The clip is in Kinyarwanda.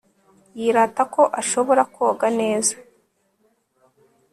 yirata ko ashobora koga neza